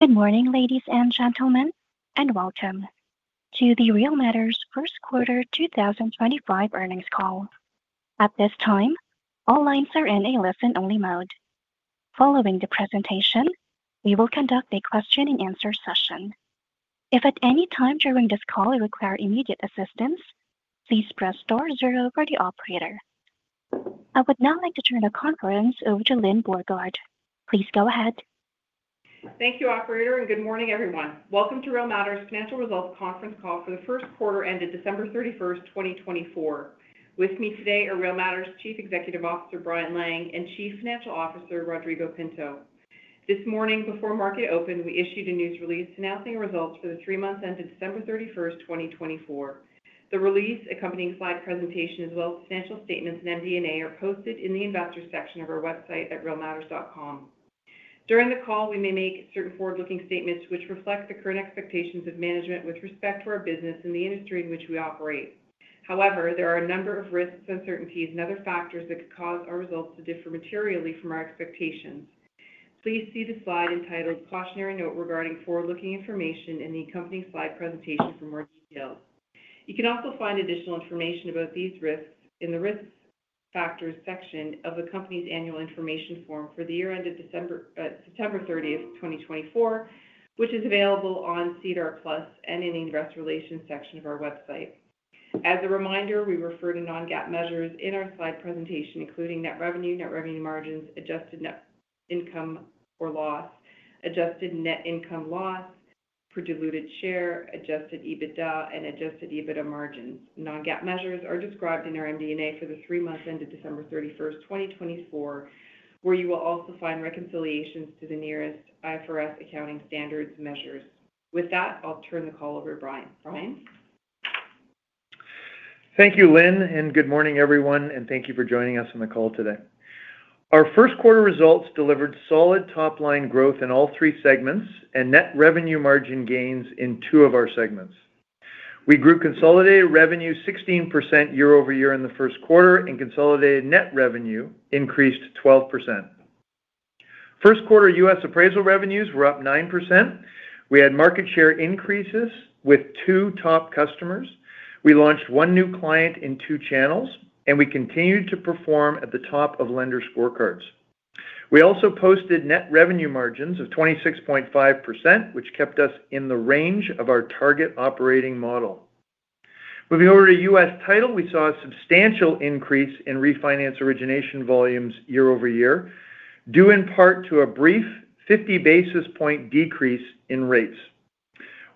Good morning, ladies and gentlemen, and welcome to the Real Matters Q1 2025 earnings call. At this time, all lines are in a listen-only mode. Following the presentation, we will conduct a question-and-answer session. If at any time during this call you require immediate assistance, please press star zero for the operator. I would now like to turn the conference over to Lyne Beauregard. Please go ahead. Thank you, Operator, and good morning, everyone. Welcome to Real Matters' financial results conference call for the Q1 ended December 31st, 2024. With me today are Real Matters Chief Executive Officer Brian Lang and Chief Financial Officer Rodrigo Pinto. This morning, before market open, we issued a news release announcing our results for the three months ended December 31st, 2024. The release, accompanying slide presentation, as well as the financial statements and MD&A are posted in the investor section of our website at realmatters.com. During the call, we may make certain forward-looking statements which reflect the current expectations of management with respect to our business and the industry in which we operate. However, there are a number of risks, uncertainties, and other factors that could cause our results to differ materially from our expectations. Please see the slide entitled "Cautionary Note Regarding Forward-Looking Information" in the accompanying slide presentation for more details. You can also find additional information about these risks in the risk factors section of the company's annual information form for the year ended September 30th, 2024, which is available on SEDAR+ and in the investor relations section of our website. As a reminder, we refer to Non-GAAP measures in our slide presentation, including net revenue, net revenue margins, adjusted net income or loss, adjusted net income loss per diluted share, Adjusted EBITDA, and Adjusted EBITDA margins. Non-GAAP measures are described in our MD&A for the three months ended December 31st, 2024, where you will also find reconciliations to the nearest IFRS accounting standards measures. With that, I'll turn the call over to Brian. Brian. Thank you, Lynne, and good morning, everyone, and thank you for joining us on the call today. Our Q1 results delivered solid top-line growth in all three segments and net revenue margin gains in two of our segments. We grew consolidated revenue 16% year-over-year in the Q1, and consolidated net revenue increased 12%. Q1 U.S. Appraisal revenues were up 9%. We had market share increases with two top customers. We launched one new client in two channels, and we continued to perform at the top of lender scorecards. We also posted net revenue margins of 26.5%, which kept us in the range of our target operating model. Moving over to U.S. Title, we saw a substantial increase in refinance origination volumes year-over-year, due in part to a brief 50 basis point decrease in rates.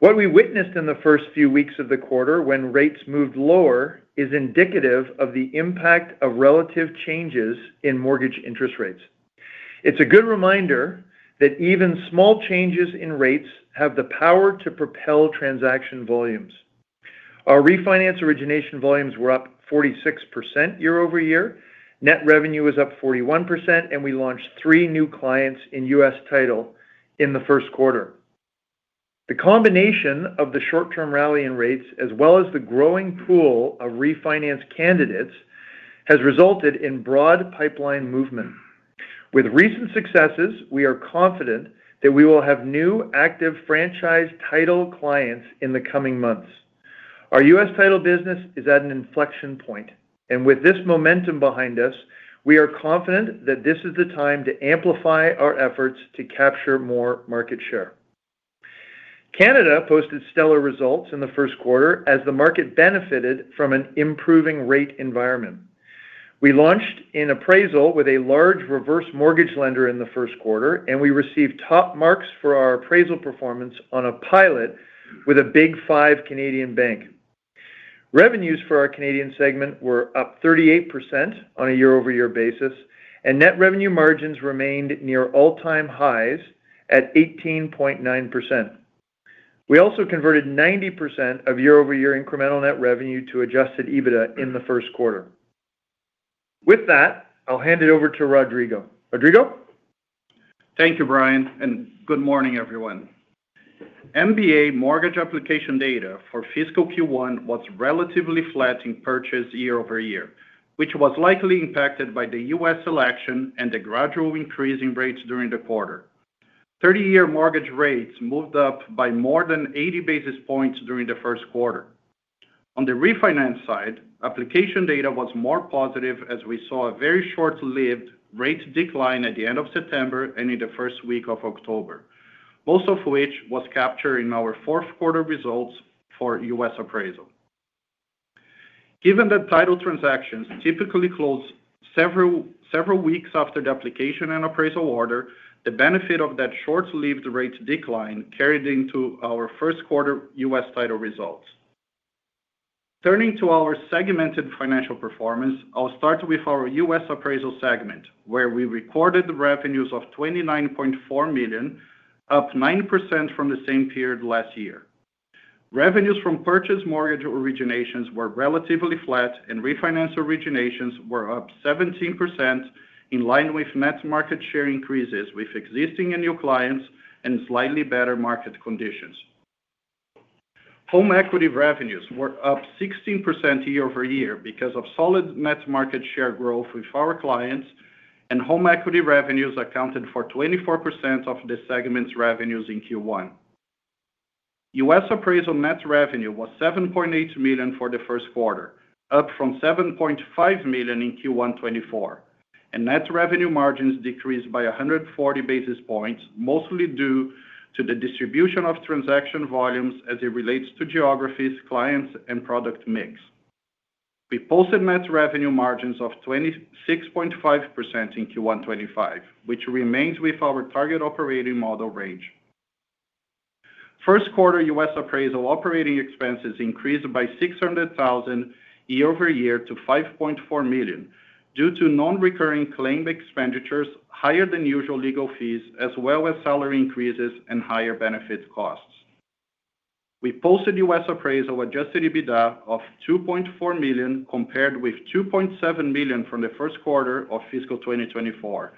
What we witnessed in the first few weeks of the quarter, when rates moved lower, is indicative of the impact of relative changes in mortgage interest rates. It's a good reminder that even small changes in rates have the power to propel transaction volumes. Our refinance origination volumes were up 46% year-over-year. Net revenue was up 41%, and we launched three new clients in U.S. Title in the Q1. The combination of the short-term rally in rates, as well as the growing pool of refinance candidates, has resulted in broad pipeline movement. With recent successes, we are confident that we will have new active franchise title clients in the coming months. Our U.S. Title business is at an inflection point, and with this momentum behind us, we are confident that this is the time to amplify our efforts to capture more market share. Canada posted stellar results in the Q1 as the market benefited from an improving rate environment. We launched in appraisal with a large reverse mortgage lender in the Q1, and we received top marks for our appraisal performance on a pilot with a Big Five Canadian bank. Revenues for our Canadian segment were up 38% on a year-over-year basis, and net revenue margins remained near all-time highs at 18.9%. We also converted 90% of year-over-year incremental net revenue to Adjusted EBITDA in the Q1. With that, I'll hand it over to Rodrigo. Rodrigo? Thank you, Brian, and good morning, everyone. MBA mortgage application data for fiscal Q1 was relatively flat in purchase, year-over-year, which was likely impacted by the U.S. election and the gradual increase in rates during the quarter. 30-year mortgage rates moved up by more than 80 basis points during the Q1. On the refinance side, application data was more positive as we saw a very short-lived rate decline at the end of September and in the first week of October, most of which was captured in our Q4 results for U.S. Appraisal. Given that title transactions typically close several weeks after the application and appraisal order, the benefit of that short-lived rate decline carried into our Q1 U.S. Title results. Turning to our segmented financial performance, I'll start with our U.S. appraisal segment, where we recorded revenues of $29.4 million, up 9% from the same period last year. Revenues from purchase mortgage originations were relatively flat, and refinance originations were up 17%, in line with net market share increases with existing and new clients and slightly better market conditions. Home equity revenues were up 16% year-over-year because of solid net market share growth with our clients, and home equity revenues accounted for 24% of the segment's revenues in Q1. U.S. appraisal net revenue was $7.8 million for the Q1, up from $7.5 million in Q1 2024, and net revenue margins decreased by 140 basis points, mostly due to the distribution of transaction volumes as it relates to geographies, clients, and product mix. We posted net revenue margins of 26.5% in Q1 2025, which remains with our target operating model range. Q1 U.S. Appraisal operating expenses increased by $600,000 year-over-year to $5.4 million due to non-recurring claim expenditures, higher than usual legal fees, as well as salary increases and higher benefit costs. We posted U.S. Appraisal adjusted EBITDA of $2.4 million compared with $2.7 million from the Q1 of fiscal 2024,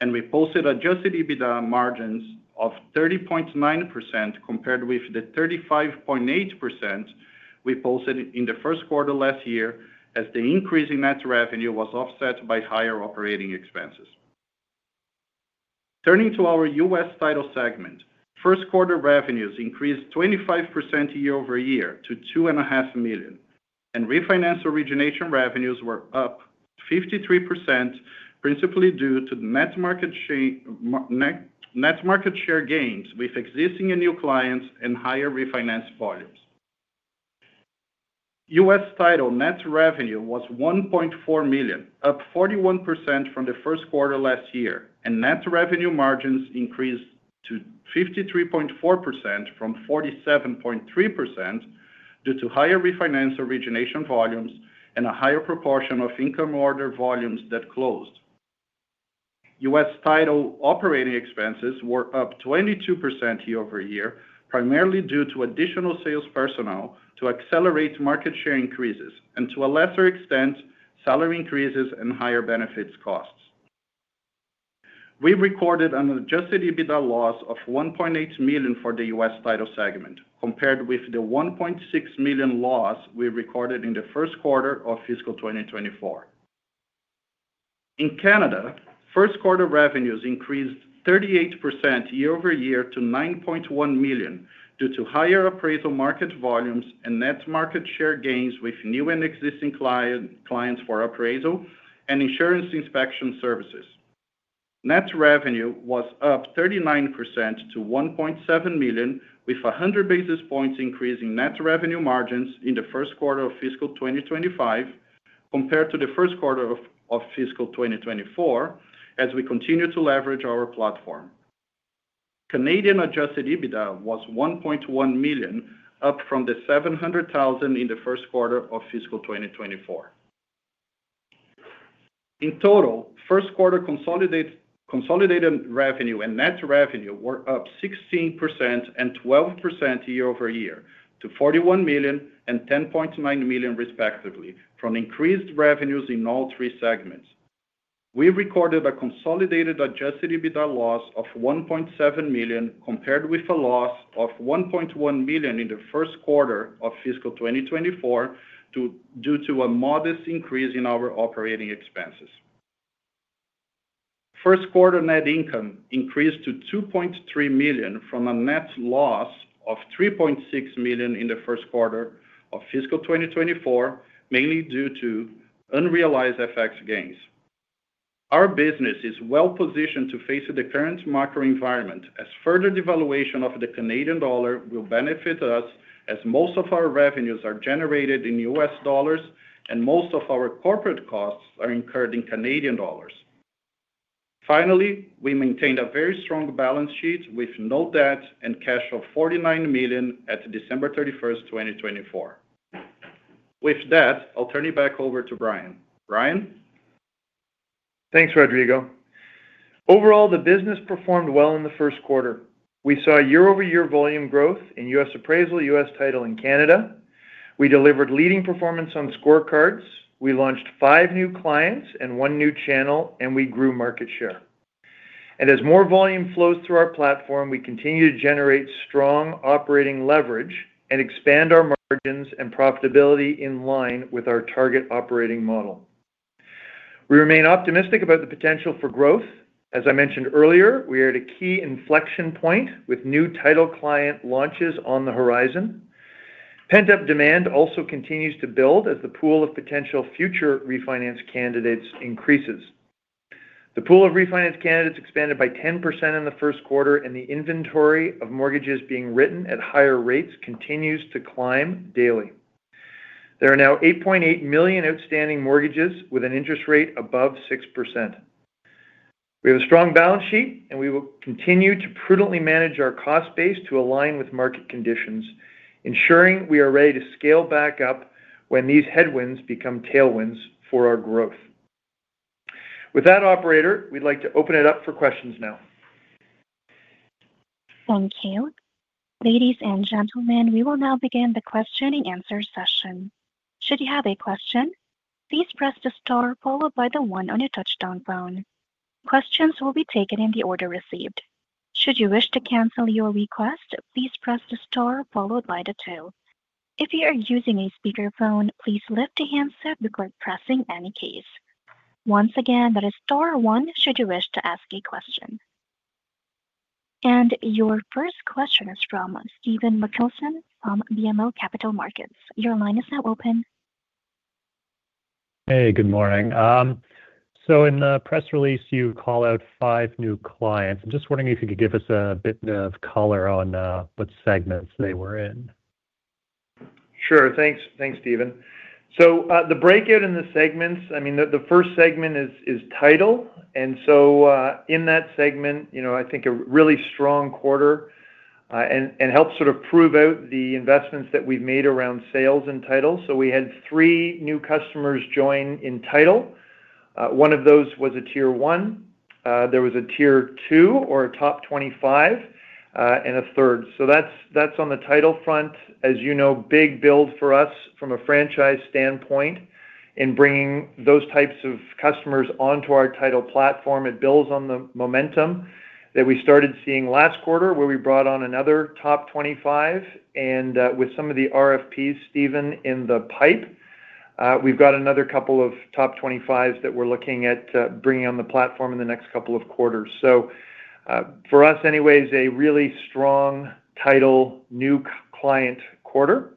and we posted adjusted EBITDA margins of 30.9% compared with the 35.8% we posted in the Q1 last year as the increase in net revenue was offset by higher operating expenses. Turning to our U.S. Title segment, Q1 revenues increased 25% year-over-year to $2.5 million, and refinance origination revenues were up 53%, principally due to net market share gains with existing and new clients and higher refinance volumes. U.S. Title net revenue was $1.4 million, up 41% from the Q1 last year, and net revenue margins increased to 53.4% from 47.3% due to higher refinance origination volumes and a higher proportion of income order volumes that closed. U.S. Title operating expenses were up 22% year-over-year, primarily due to additional sales personnel to accelerate market share increases and, to a lesser extent, salary increases and higher benefits costs. We recorded an Adjusted EBITDA loss of $1.8 million for the U.S. Title segment, compared with the $1.6 million loss we recorded in the Q1 of fiscal 2024. In Canada, Q1 revenues increased 38% year-over-year to 9.1 million due to higher appraisal market volumes and net market share gains with new and existing clients for appraisal and insurance inspection services. Net revenue was up 39% to $1.7 million, with 100 basis points increase in net revenue margins in the Q1 of fiscal 2025 compared to the Q1 of fiscal 2024 as we continue to leverage our platform. Canadian Adjusted EBITDA was $1.1 million, up from the $700,000 in the Q1 of fiscal 2024. In total, Q1 consolidated revenue and net revenue were up 16% and 12% year-over-year to $41 million and $10.9 million, respectively, from increased revenues in all three segments. We recorded a consolidated Adjusted EBITDA loss of $1.7 million compared with a loss of $1.1 million in the Q1 of fiscal 2024 due to a modest increase in our operating expenses. Q1 net income increased to $2.3 million from a net loss of $3.6 million in the Q1 of fiscal 2024, mainly due to unrealized FX gains. Our business is well-positioned to face the current macro environment as further devaluation of the Canadian dollar will benefit us as most of our revenues are generated in U.S. dollars and most of our corporate costs are incurred in Canadian dollars. Finally, we maintained a very strong balance sheet with no debt and cash of $49 million at December 31st, 2024. With that, I'll turn it back over to Brian. Brian? Thanks, Rodrigo. Overall, the business performed well in the Q1. We saw year-over-year volume growth in U.S. Appraisal, U.S. Title, and Canada. We delivered leading performance on scorecards. We launched five new clients and one new channel, and we grew market share. And as more volume flows through our platform, we continue to generate strong operating leverage and expand our margins and profitability in line with our target operating model. We remain optimistic about the potential for growth. As I mentioned earlier, we are at a key inflection point with new title client launches on the horizon. Pent-up demand also continues to build as the pool of potential future refinance candidates increases. The pool of refinance candidates expanded by 10% in the Q1, and the inventory of mortgages being written at higher rates continues to climb daily. There are now 8.8 million outstanding mortgages with an interest rate above 6%. We have a strong balance sheet, and we will continue to prudently manage our cost base to align with market conditions, ensuring we are ready to scale back up when these headwinds become tailwinds for our growth. With that, Operator, we'd like to open it up for questions now. Thank you. Ladies and gentlemen, we will now begin the question and answer session. Should you have a question, please press the star followed by the one on your touch-tone phone. Questions will be taken in the order received. Should you wish to cancel your request, please press the star followed by the two. If you are using a speakerphone, please lift a handset before pressing any keys. Once again, that is star one should you wish to ask a question. And your first question is from Stephen Mikkelsen from BMO Capital Markets. Your line is now open. Hey, good morning. So in the press release, you call out five new clients. I'm just wondering if you could give us a bit of color on what segments they were in? Sure. Thanks, Steven. So the breakout in the segments, I mean, the first segment is title. And so in that segment, I think a really strong quarter and helped sort of prove out the investments that we've made around sales and title. So we had three new customers join in title. One of those was a Tier 1. There was a Tier 2 or a Top 25 and a third. So that's on the title front. As you know, big build for us from a franchise standpoint in bringing those types of customers onto our title platform. It builds on the momentum that we started seeing last quarter where we brought on another Top 25. And with some of the RFPs, Steven, in the pipeline, we've got another couple of Top 25s that we're looking at bringing on the platform in the next couple of quarters. So, for us, anyways, a really strong title new client quarter.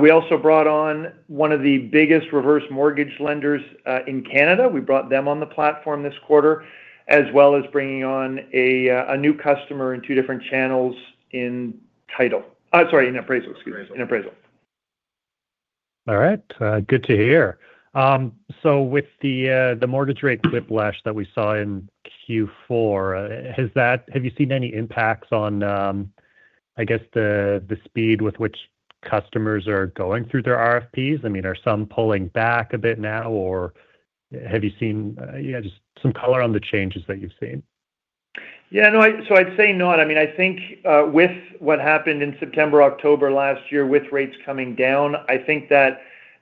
We also brought on one of the biggest reverse mortgage lenders in Canada. We brought them on the platform this quarter, as well as bringing on a new customer in two different channels in title. Sorry, in appraisal. Excuse me. In appraisal. All right. Good to hear. So with the mortgage rate whiplash that we saw in Q4, have you seen any impacts on, I guess, the speed with which customers are going through their RFPs? I mean, are some pulling back a bit now, or have you seen just some color on the changes that you've seen? Yeah. No, so I'd say not. I mean, I think with what happened in September, October last year with rates coming down, I think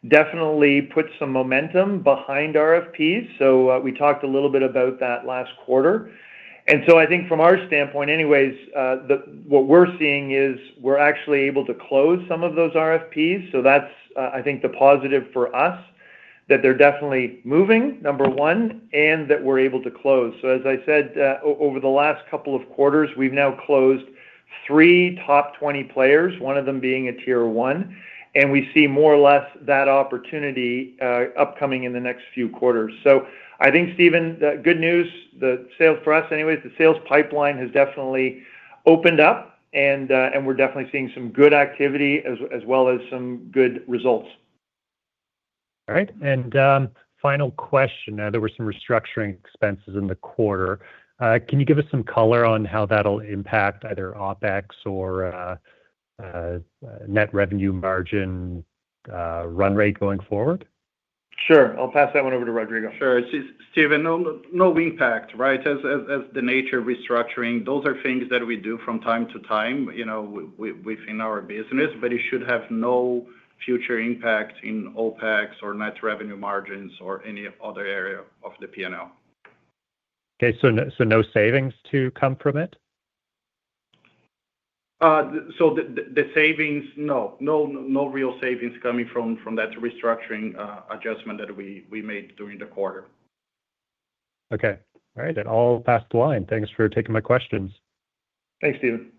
that definitely put some momentum behind RFPs. So we talked a little bit about that last quarter. And so I think from our standpoint, anyways, what we're seeing is we're actually able to close some of those RFPs. So that's, I think, the positive for us that they're definitely moving, number one, and that we're able to close. So as I said, over the last couple of quarters, we've now closed three Top 20 players, one of them being a tier one. And we see more or less that opportunity upcoming in the next few quarters. So I think, Stephen, good news. The sales for us, anyways, the sales pipeline has definitely opened up, and we're definitely seeing some good activity as well as some good results. All right, and final question. There were some restructuring expenses in the quarter. Can you give us some color on how that'll impact either OpEx or net revenue margin run rate going forward? Sure. I'll pass that one over to Rodrigo. Sure. Stephen, no impact, right, as is the nature of restructuring. Those are things that we do from time to time within our business, but it should have no future impact in OpEx or net revenue margins or any other area of the P&L. Okay, so no savings to come from it? The savings, no. No real savings coming from that restructuring adjustment that we made during the quarter. Okay. All right. That all passed the line. Thanks for taking my questions. Thanks, Stephen.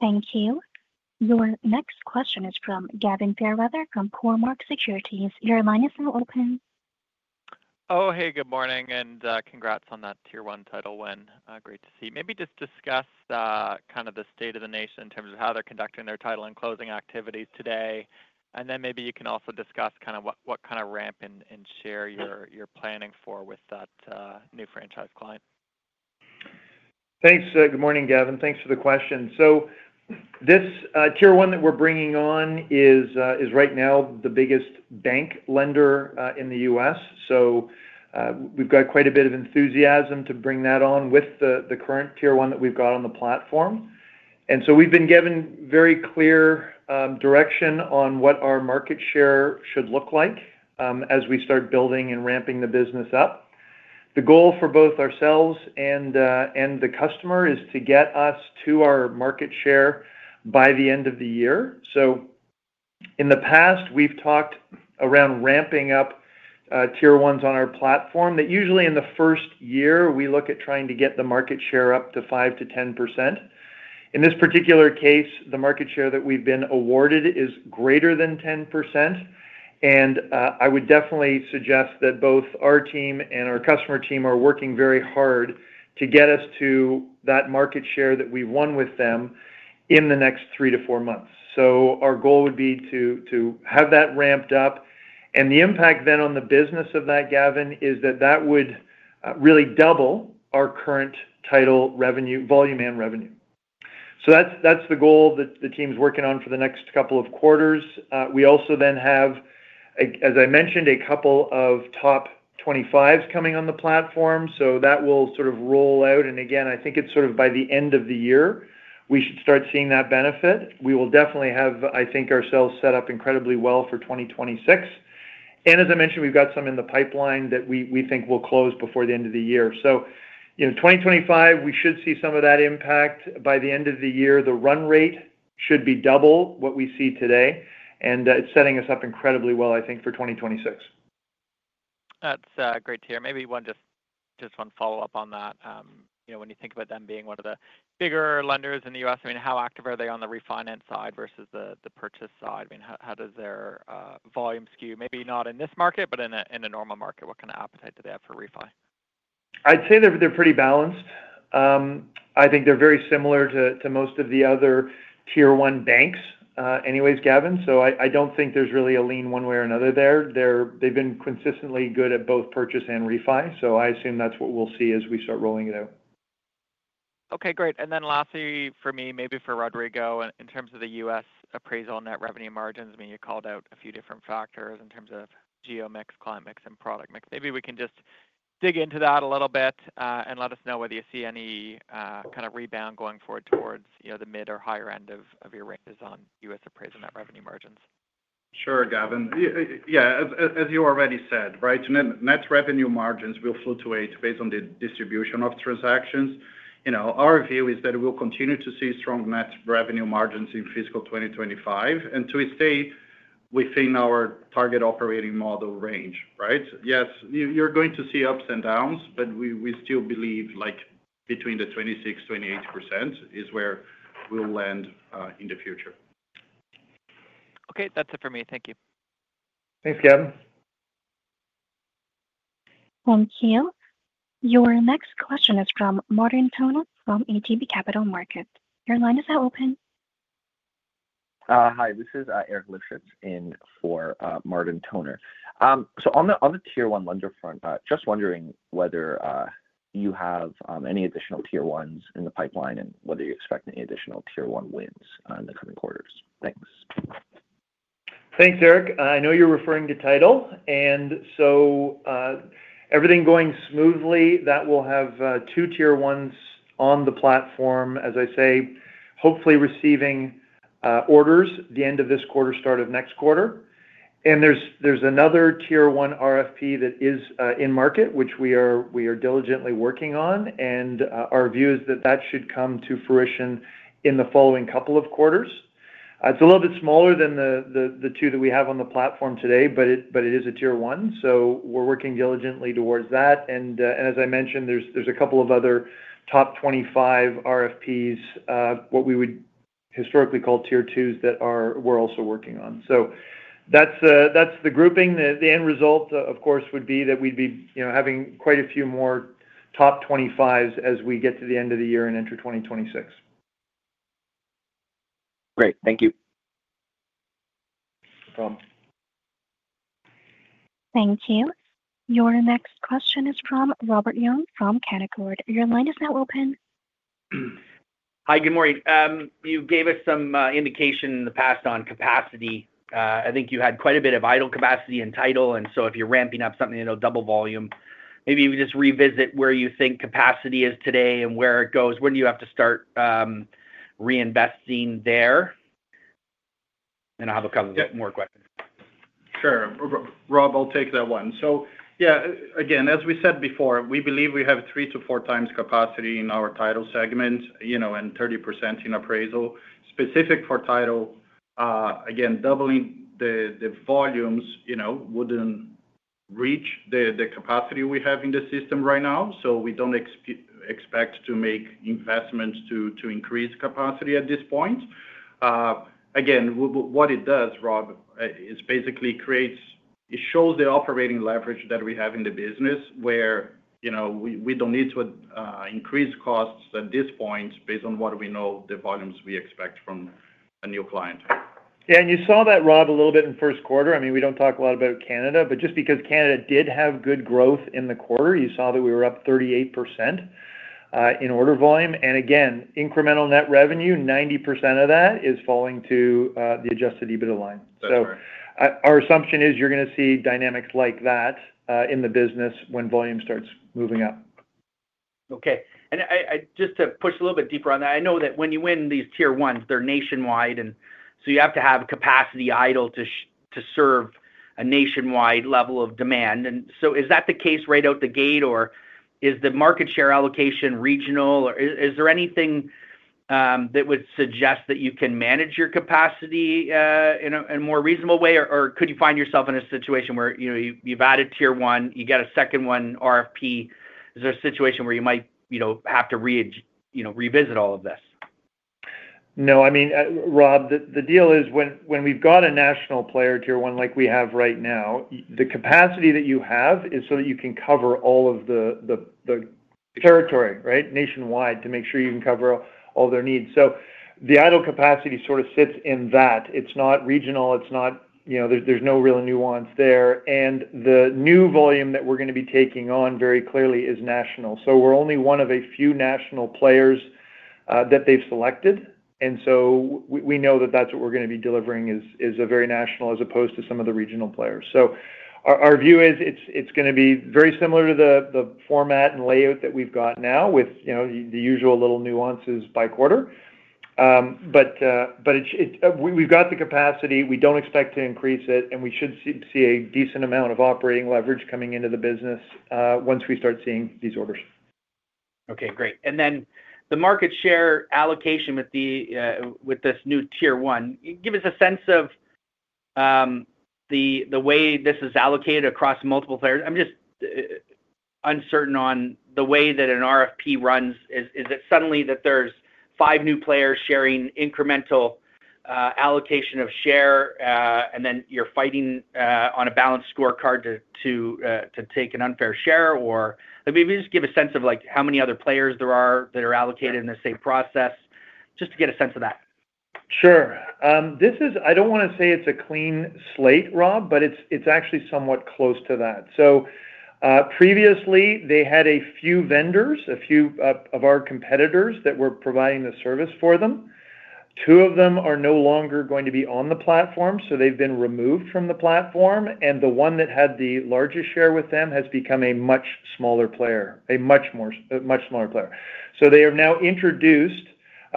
Thank you. Your next question is from Gavin Fairweather from Cormark Securities. Your line is now open. Oh, hey, good morning. And congrats on that Tier 1 title win. Great to see. Maybe just discuss kind of the state of the nation in terms of how they're conducting their title and closing activities today. And then maybe you can also discuss kind of what kind of ramp and share your planning for with that new franchise client. Thanks. Good morning, Gavin. Thanks for the question. So this tier one that we're bringing on is right now the biggest bank lender in the U.S. So we've got quite a bit of enthusiasm to bring that on with the current tier one that we've got on the platform. And so we've been given very clear direction on what our market share should look like as we start building and ramping the business up. The goal for both ourselves and the customer is to get us to our market share by the end of the year. So in the past, we've talked around ramping up tier ones on our platform that usually in the first year, we look at trying to get the market share up to 5%-10%. In this particular case, the market share that we've been awarded is greater than 10%. I would definitely suggest that both our team and our customer team are working very hard to get us to that market share that we've won with them in the next three-to-four months. Our goal would be to have that ramped up. The impact then on the business of that, Gavin, is that that would really double our current title volume and revenue. That's the goal that the team's working on for the next couple of quarters. We also then have, as I mentioned, a couple of top 25s coming on the platform. That will sort of roll out. Again, I think it's sort of by the end of the year, we should start seeing that benefit. We will definitely have, I think, ourselves set up incredibly well for 2026. As I mentioned, we've got some in the pipeline that we think will close before the end of the year. 2025, we should see some of that impact by the end of the year. The run rate should be double what we see today. It's setting us up incredibly well, I think, for 2026. That's great to hear. Maybe just one follow-up on that. When you think about them being one of the bigger lenders in the U.S., I mean, how active are they on the refinance side versus the purchase side? I mean, how does their volume skew? Maybe not in this market, but in a normal market, what kind of appetite do they have for refi? I'd say they're pretty balanced. I think they're very similar to most of the other tier one banks, anyways, Gavin. So I don't think there's really a lean one way or another there. They've been consistently good at both purchase and refi. So I assume that's what we'll see as we start rolling it out. Okay. Great. And then lastly for me, maybe for Rodrigo, in terms of the U.S. Appraisal net revenue margins, I mean, you called out a few different factors in terms of geo mix, client mix, and product mix. Maybe we can just dig into that a little bit and let us know whether you see any kind of rebound going forward towards the mid or higher end of your range on U.S. Appraisal net revenue margins? Sure, Gavin. Yeah. As you already said, right, net revenue margins will fluctuate based on the distribution of transactions. Our view is that we'll continue to see strong net revenue margins in fiscal 2025 and to stay within our target operating model range, right? Yes. You're going to see ups and downs, but we still believe between 26%-28% is where we'll land in the future. Okay. That's it for me. Thank you. Thanks, Gavin. Thank you. Your next question is from Martin Toner from ATB Capital Markets. Your line is now open. Hi. This is Eric Lifshitz in for Martin Toner. So on the tier one lender front, just wondering whether you have any additional tier ones in the pipeline and whether you expect any additional tier one wins in the coming quarters. Thanks. Thanks, Eric. I know you're referring to title. And so everything going smoothly, that will have two Tier 1s on the platform, as I say, hopefully receiving orders the end of this quarter, start of next quarter. And there's another Tier 1 RFP that is in market, which we are diligently working on. And our view is that that should come to fruition in the following couple of quarters. It's a little bit smaller than the two that we have on the platform today, but it is a Tier 1. So we're working diligently towards that. And as I mentioned, there's a couple of other top 25 RFPs, what we would historically call Tier 2s that we're also working on. So that's the grouping. The end result, of course, would be that we'd be having quite a few more top 25s as we get to the end of the year and enter 2026. Great. Thank you. No problem. Thank you. Your next question is from Robert Young from Canaccord. Your line is now open. Hi. Good morning. You gave us some indication in the past on capacity. I think you had quite a bit of idle capacity in title, and so if you're ramping up something, it'll double volume. Maybe you would just revisit where you think capacity is today and where it goes. When do you have to start reinvesting there, and I'll have a couple more questions. Sure. Rob, I'll take that one. So yeah, again, as we said before, we believe we have three to four times capacity in our title segment and 30% in appraisal. Specific for title, again, doubling the volumes wouldn't reach the capacity we have in the system right now. So we don't expect to make investments to increase capacity at this point. Again, what it does, Rob, is basically creates it shows the operating leverage that we have in the business where we don't need to increase costs at this point based on what we know the volumes we expect from a new client. Yeah. And you saw that, Rob, a little bit in Q1. I mean, we don't talk a lot about Canada, but just because Canada did have good growth in the quarter, you saw that we were up 38% in order volume. And again, incremental net revenue, 90% of that is falling to the adjusted EBITDA line. So our assumption is you're going to see dynamics like that in the business when volume starts moving up. Okay. And just to push a little bit deeper on that, I know that when you win these tier ones, they're nationwide. And so you have to have capacity idle to serve a nationwide level of demand. And so is that the case right out the gate, or is the market share allocation regional? Is there anything that would suggest that you can manage your capacity in a more reasonable way, or could you find yourself in a situation where you've added tier one, you get a second one RFP? Is there a situation where you might have to revisit all of this? No. I mean, Rob, the deal is when we've got a national player tier one like we have right now, the capacity that you have is so that you can cover all of the territory, right, nationwide to make sure you can cover all their needs. So the idle capacity sort of sits in that. It's not regional. It's not. There's no real nuance there. And the new volume that we're going to be taking on very clearly is national. So we're only one of a few national players that they've selected. And so we know that that's what we're going to be delivering is very national as opposed to some of the regional players. So our view is it's going to be very similar to the format and layout that we've got now with the usual little nuances by quarter. But we've got the capacity. We don't expect to increase it. And we should see a decent amount of operating leverage coming into the business once we start seeing these orders. Okay. Great. And then the market share allocation with this new Tier 1, give us a sense of the way this is allocated across multiple players. I'm just uncertain on the way that an RFP runs. Is it suddenly that there's five new players sharing incremental allocation of share, and then you're fighting on a balanced scorecard to take an unfair share? Or maybe just give a sense of how many other players there are that are allocated in the same process, just to get a sense of that. Sure. I don't want to say it's a clean slate, Rob, but it's actually somewhat close to that. So previously, they had a few vendors, a few of our competitors that were providing the service for them. Two of them are no longer going to be on the platform, so they've been removed from the platform. And the one that had the largest share with them has become a much smaller player, a much smaller player. So they have now introduced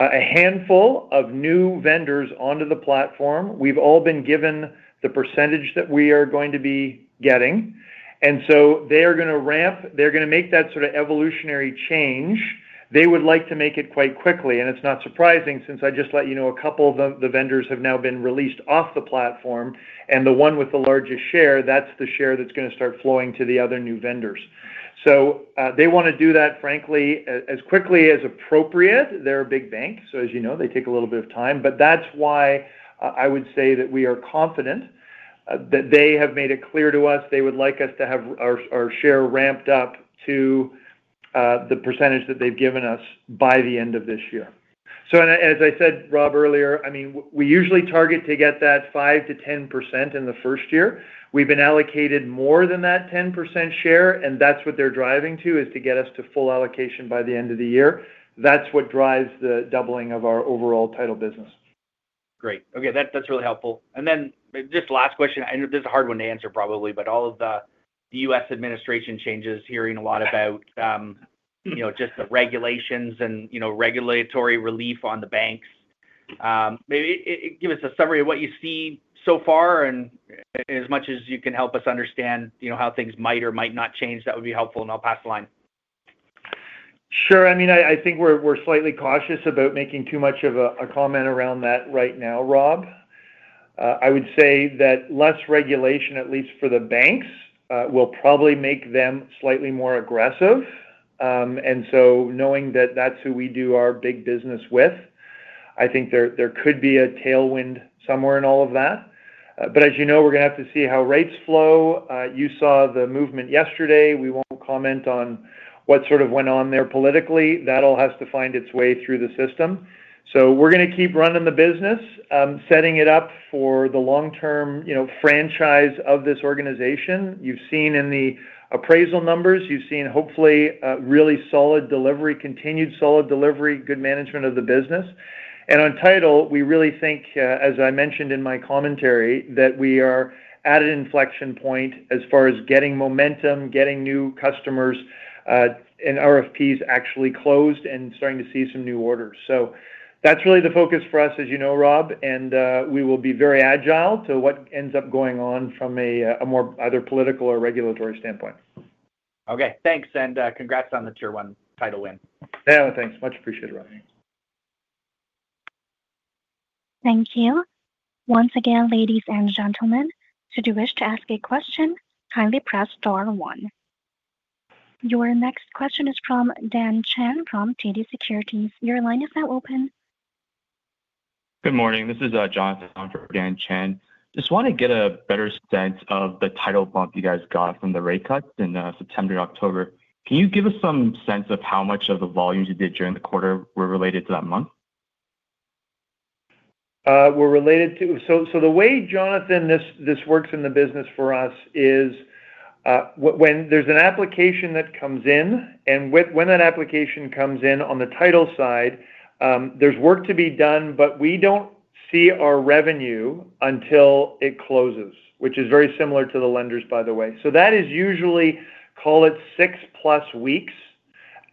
a handful of new vendors onto the platform. We've all been given the percentage that we are going to be getting. And so they are going to ramp. They're going to make that sort of evolutionary change. They would like to make it quite quickly. And it's not surprising since I just let you know a couple of the vendors have now been released off the platform. The one with the largest share, that's the share that's going to start flowing to the other new vendors. They want to do that, frankly, as quickly as appropriate. They're a big bank. As you know, they take a little bit of time. That's why I would say that we are confident that they have made it clear to us they would like us to have our share ramped up to the percentage that they've given us by the end of this year. As I said, Rob, earlier, I mean, we usually target to get that 5%-10% in the first year. We've been allocated more than that 10% share. That's what they're driving to, is to get us to full allocation by the end of the year. That's what drives the doubling of our overall title business. Great. Okay. That's really helpful, and then just last question. I know this is a hard one to answer, probably, but all of the U.S. administration changes, hearing a lot about just the regulations and regulatory relief on the banks. Maybe give us a summary of what you see so far, and as much as you can help us understand how things might or might not change, that would be helpful, and I'll pass the line. Sure. I mean, I think we're slightly cautious about making too much of a comment around that right now, Rob. I would say that less regulation, at least for the banks, will probably make them slightly more aggressive. And so knowing that that's who we do our big business with, I think there could be a tailwind somewhere in all of that. But as you know, we're going to have to see how rates flow. You saw the movement yesterday. We won't comment on what sort of went on there politically. That all has to find its way through the system. So we're going to keep running the business, setting it up for the long-term franchise of this organization. You've seen in the appraisal numbers, you've seen hopefully really solid delivery, continued solid delivery, good management of the business. And on title, we really think, as I mentioned in my commentary, that we are at an inflection point as far as getting momentum, getting new customers, and RFPs actually closed and starting to see some new orders. So that's really the focus for us, as you know, Rob. And we will be very agile to what ends up going on from a more either political or regulatory standpoint. Okay. Thanks. And congrats on the Tier 1 title win. Yeah. Thanks. Much appreciated, Rob. Thank you. Once again, ladies and gentlemen, should you wish to ask a question, kindly press star one. Your next question is from Daniel Chan from TD Securities. Your line is now open. Good morning. This is Jonathan from Daniel Chan. Just want to get a better sense of the title bump you guys got from the rate cuts in September and October. Can you give us some sense of how much of the volumes you did during the quarter were related to that month? you're referring to, so the way, Jonathan, this works in the business for us is when there's an application that comes in, and when that application comes in on the title side, there's work to be done, but we don't see our revenue until it closes, which is very similar to the lenders, by the way. So that is usually about six-plus weeks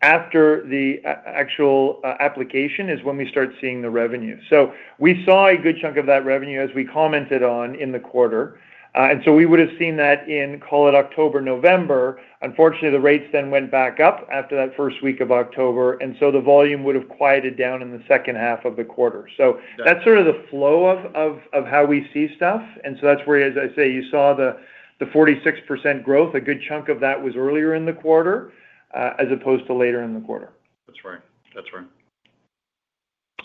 after the actual application is when we start seeing the revenue. So we saw a good chunk of that revenue, as we commented on, in the quarter. And so we would have seen that in, call it, October/November. Unfortunately, the rates then went back up after that first week of October. And so the volume would have quieted down in the second half of the quarter. So that's sort of the flow of how we see stuff. And so that's where, as I say, you saw the 46% growth. A good chunk of that was earlier in the quarter as opposed to later in the quarter. That's right. That's right.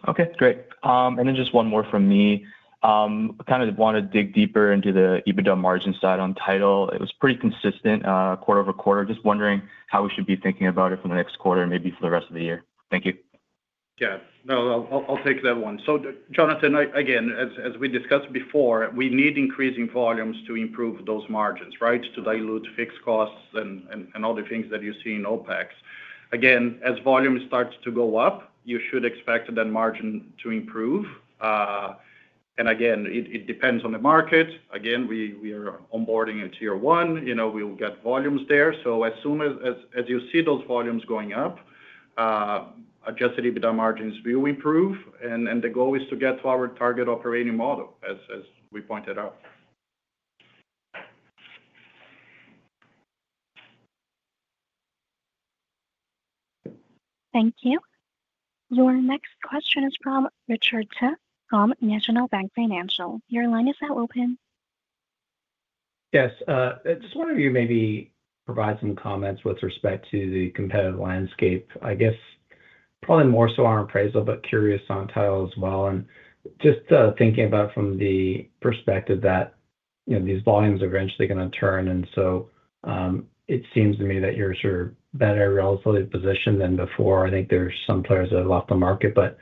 Okay. Great. And then just one more from me. Kind of want to dig deeper into the EBITDA margin side on title. It was pretty consistent quarter over quarter. Just wondering how we should be thinking about it for the next quarter and maybe for the rest of the year. Thank you. Yeah. No, I'll take that one. So Jonathan, again, as we discussed before, we need increasing volumes to improve those margins, right, to dilute fixed costs and other things that you see in OpEx. Again, as volume starts to go up, you should expect that margin to improve. Again, it depends on the market. Again, we are onboarding into year one. We will get volumes there. So as soon as you see those volumes going up, Adjusted EBITDA margins will improve. The goal is to get to our target operating model, as we pointed out. Thank you. Your next question is from Richard Tse from National Bank Financial. Your line is now open. Yes. I just wanted to maybe provide some comments with respect to the competitive landscape. I guess probably more so on appraisal, but curious on title as well. And just thinking about it from the perspective that these volumes are eventually going to turn. And so it seems to me that you're sort of better relatively positioned than before. I think there's some players that have left the market. But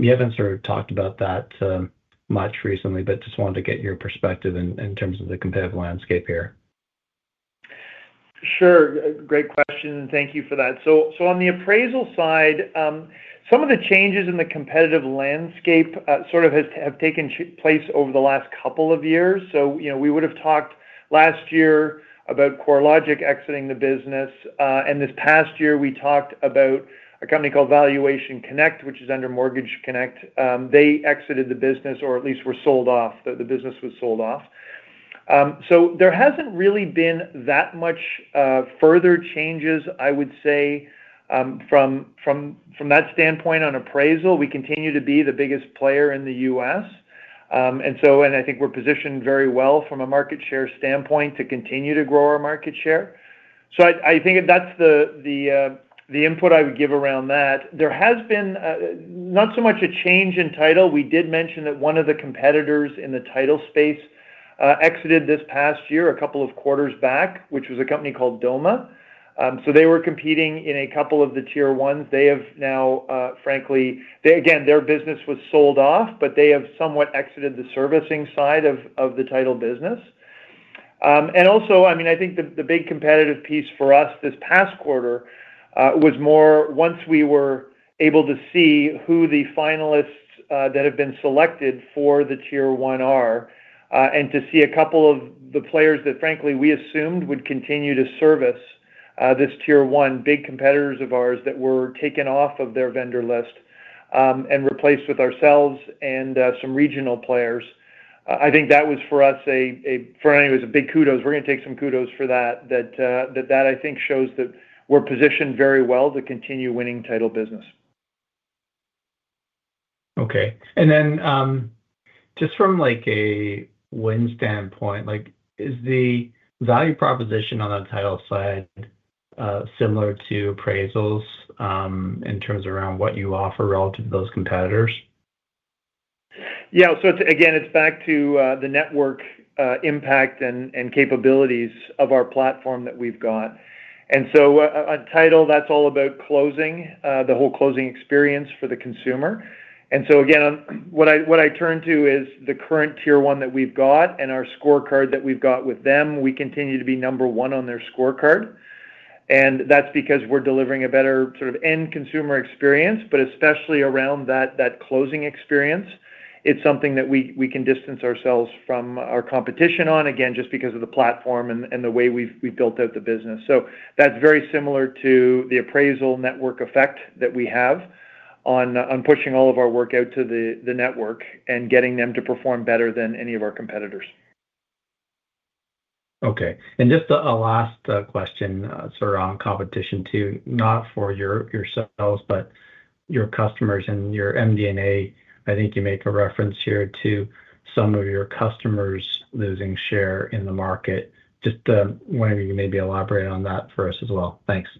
you haven't sort of talked about that much recently, but just wanted to get your perspective in terms of the competitive landscape here. Sure. Great question. And thank you for that. So on the appraisal side, some of the changes in the competitive landscape sort of have taken place over the last couple of years. So we would have talked last year about CoreLogic exiting the business. And this past year, we talked about a company called Valuation Connect, which is under Mortgage Connect. They exited the business or at least were sold off. The business was sold off. So there hasn't really been that much further changes, I would say, from that standpoint on appraisal. We continue to be the biggest player in the U.S. And I think we're positioned very well from a market share standpoint to continue to grow our market share. So I think that's the input I would give around that. There has been not so much a change in title. We did mention that one of the competitors in the title space exited this past year, a couple of quarters back, which was a company called Doma, so they were competing in a couple of the Tier 1s. They have now, frankly, again, their business was sold off, but they have somewhat exited the servicing side of the title business, and also, I mean, I think the big competitive piece for us this past quarter was more once we were able to see who the finalists that have been selected for the Tier 1 are and to see a couple of the players that, frankly, we assumed would continue to service this Tier 1, big competitors of ours that were taken off of their vendor list and replaced with ourselves and some regional players. I think that was for us, for anyways, a big kudos. We're going to take some kudos for that. That I think shows that we're positioned very well to continue winning title business. Okay, and then just from a win standpoint, is the value proposition on the title side similar to appraisals in terms around what you offer relative to those competitors? Yeah. So again, it's back to the network impact and capabilities of our platform that we've got. And so a title that's all about closing, the whole closing experience for the consumer. And so again, what I turn to is the current Tier 1 that we've got and our scorecard that we've got with them. We continue to be number one on their scorecard. And that's because we're delivering a better sort of end consumer experience. But especially around that closing experience, it's something that we can distance ourselves from our competition on, again, just because of the platform and the way we've built out the business. So that's very similar to the appraisal network effect that we have on pushing all of our work out to the network and getting them to perform better than any of our competitors. Okay, and just a last question sort of on competition too, not for yourselves, but your customers and your MD&A. I think you make a reference here to some of your customers losing share in the market. Just wanted you to maybe elaborate on that for us as well. Thanks.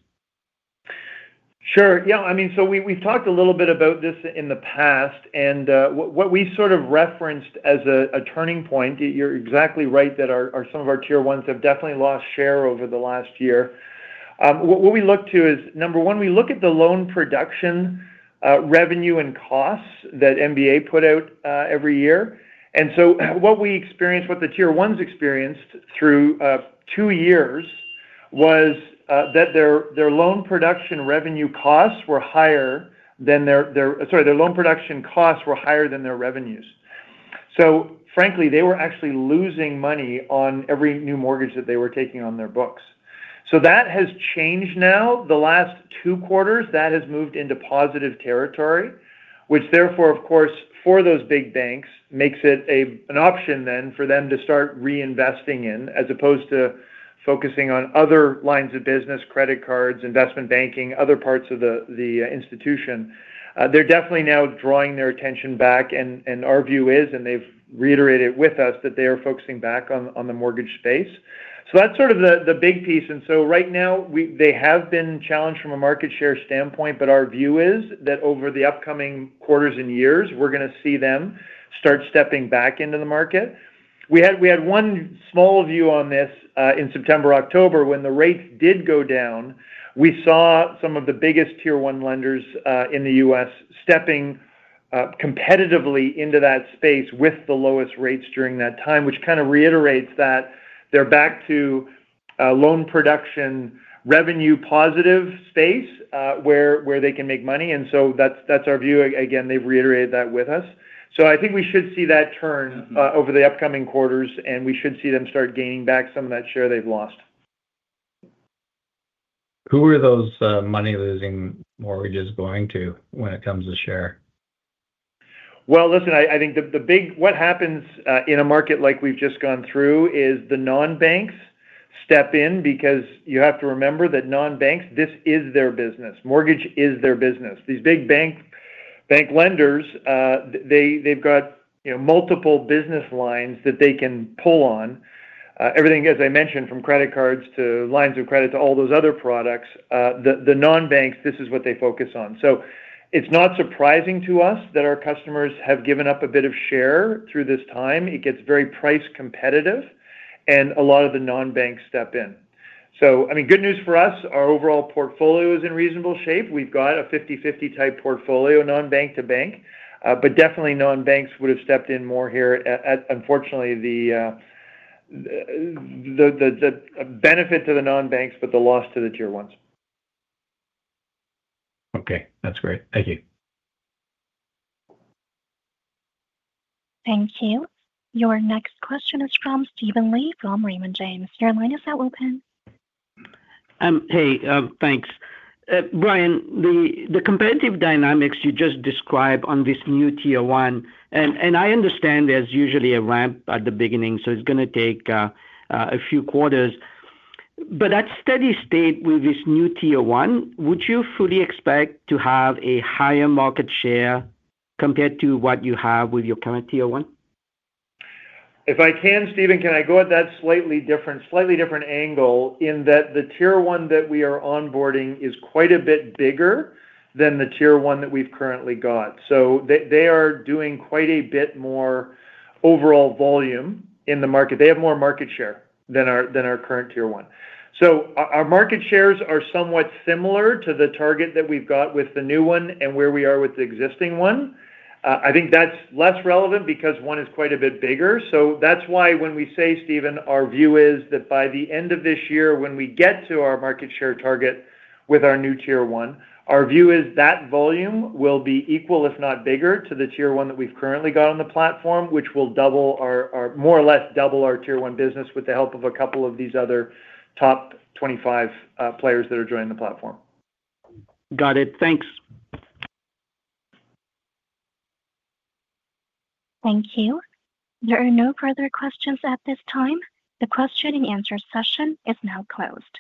Sure. Yeah. I mean, so we've talked a little bit about this in the past, and what we sort of referenced as a turning point. You're exactly right that some of our Tier 1s have definitely lost share over the last year. What we look to is, number one, we look at the loan production revenue and costs that MBA put out every year. And so what we experienced, what the Tier 1s experienced through two years was that their loan production revenue costs were higher than their—sorry, their loan production costs were higher than their revenues. So frankly, they were actually losing money on every new mortgage that they were taking on their books. So that has changed now. The last two quarters, that has moved into positive territory, which therefore, of course, for those big banks, makes it an option then for them to start reinvesting in as opposed to focusing on other lines of business, credit cards, investment banking, other parts of the institution. They're definitely now drawing their attention back, and our view is, and they've reiterated it with us, that they are focusing back on the mortgage space. So that's sort of the big piece, and so right now, they have been challenged from a market share standpoint, but our view is that over the upcoming quarters and years, we're going to see them start stepping back into the market. We had one small view on this in September, October. When the rates did go down, we saw some of the biggest Tier 1 lenders in the U.S. Stepping competitively into that space with the lowest rates during that time, which kind of reiterates that they're back to loan production revenue positive space where they can make money, and so that's our view. Again, they've reiterated that with us, so I think we should see that turn over the upcoming quarters, and we should see them start gaining back some of that share they've lost. Who are those money-losing mortgages going to when it comes to share? Well, listen. I think the big - what happens in a market like we've just gone through is the non-banks step in because you have to remember that non-banks, this is their business. Mortgage is their business. These big bank lenders, they've got multiple business lines that they can pull on. Everything, as I mentioned, from credit cards to lines of credit to all those other products, the non-banks, this is what they focus on. So it's not surprising to us that our customers have given up a bit of share through this time. It gets very price competitive, and a lot of the non-banks step in. So I mean, good news for us, our overall portfolio is in reasonable shape. We've got a 50/50 type portfolio, non-bank to bank. But definitely, non-banks would have stepped in more here. Unfortunately, the benefit to the non-banks, but the loss to the Tier 1s. Okay. That's great. Thank you. Thank you. Your next question is from Steven Li from Raymond James. Your line is now open. Hey. Thanks. Brian, the competitive dynamics you just described on this new tier one, and I understand there's usually a ramp at the beginning, so it's going to take a few quarters. But at steady state with this new tier one, would you fully expect to have a higher market share compared to what you have with your current tier one? If I can, Steven, can I go at that slightly different angle in that the Tier 1 that we are onboarding is quite a bit bigger than the Tier 1 that we've currently got? So they are doing quite a bit more overall volume in the market. They have more market share than our current Tier 1. So our market shares are somewhat similar to the target that we've got with the new one and where we are with the existing one. I think that's less relevant because one is quite a bit bigger. That's why when we say, Steven, our view is that by the end of this year, when we get to our market share target with our new tier one, our view is that volume will be equal, if not bigger, to the tier one that we've currently got on the platform, which will more or less double our tier one business with the help of a couple of these other top 25 players that are joining the platform. Got it. Thanks. Thank you. There are no further questions at this time. The question and answer session is now closed.